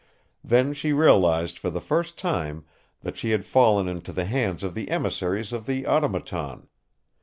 Then she realized for the first time that she had fallen into the hands of the emissaries of the Automaton.